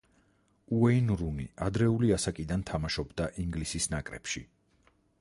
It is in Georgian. უეინ რუნი ადრეული ასაკიდან თამაშობდა ინგლისის ნაკრებში.